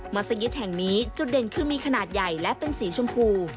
สยิตแห่งนี้จุดเด่นคือมีขนาดใหญ่และเป็นสีชมพู